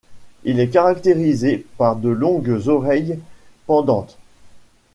Il est caractérisé par de longues oreilles pendantes.